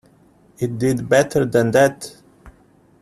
It did better than that.